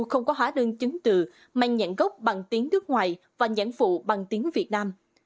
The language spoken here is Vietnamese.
không có hóa đơn chứng từ mang nhãn gốc bằng tiếng nước ngoài và nhãn phụ bằng tiếng việt nam